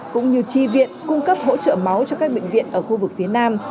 cũng như tri viện cung cấp hỗ trợ máu cho các bệnh viện ở khu vực phía nam